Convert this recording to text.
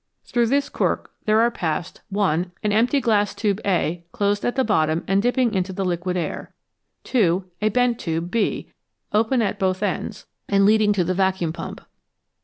Through this cork there are passed (1) an empty glass tube, A, closed at the bottom and dipping into the liquid air ; (2) a bent tube, B, open at both ends and 189 BELOW ZERO leading to the vacuum pump.